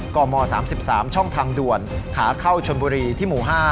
กม๓๓ช่องทางด่วนขาเข้าชนบุรีที่หมู่๕